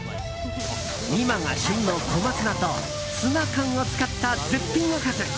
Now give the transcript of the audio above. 今が旬のコマツナとツナ缶を使った絶品おかず。